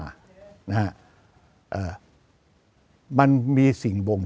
จะพิจารณาคม